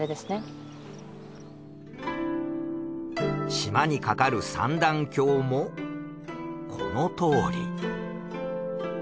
島に架かる三断橋もこのとおり。